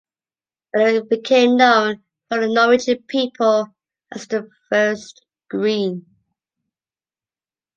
And it became known for the Norwegian people as the first “green”.